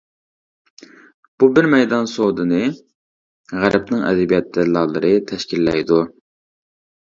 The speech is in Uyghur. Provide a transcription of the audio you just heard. بۇ بىر مەيدان سودىنى غەربنىڭ ئەدەبىيات دەللاللىرى تەشكىللەيدۇ.